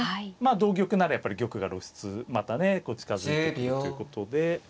同玉ならやっぱり玉が露出またねこう近づいてくるということで。